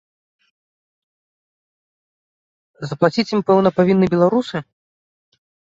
Заплаціць ім, пэўна, павінны беларусы?